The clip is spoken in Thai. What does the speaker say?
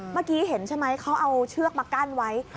เมื่อกี้เห็นใช่ไหมเขาเอาเชือกมากั้นไว้